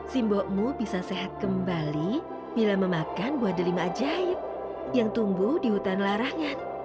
simbokmu bisa sehat kembali bila memakan buah delima ajaib yang tumbuh di hutan larangan